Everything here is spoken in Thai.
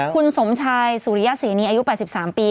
คุณสมชายสุริยศรีนีอายุ๘๓ปี